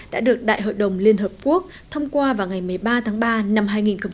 đã được đại hội đồng liên hợp quốc thông qua vào ngày một mươi ba tháng ba năm hai nghìn bảy